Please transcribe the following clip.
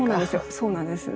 そうなんですよ。